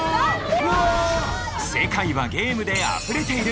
世界はゲームであふれている！